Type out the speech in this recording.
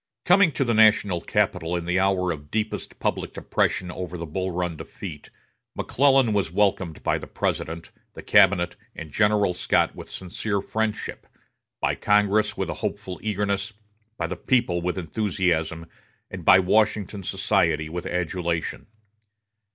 Coming to the national capital in the hour of deepest public depression over the Bull Run defeat, McClellan was welcomed by the President, the cabinet, and General Scott with sincere friendship, by Congress with a hopeful eagerness, by the people with enthusiasm, and by Washington society with adulation.